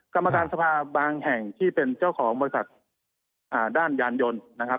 กรรมการสภาบางแห่งที่เป็นเจ้าของบริษัทด้านยานยนต์นะครับ